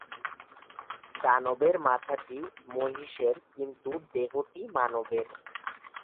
দানবের মাথাটি মহিষের কিন্তু দেহটি মানবের।